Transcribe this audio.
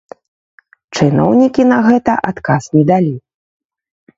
Чыноўнікі на гэта адказ не далі.